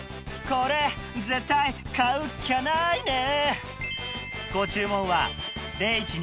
これ絶対買うっきゃないね！